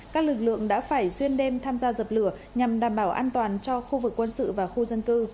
các lực lượng đã phải xuyên đêm tham gia dập lửa nhằm đảm bảo an toàn cho khu vực quân sự và khu dân cư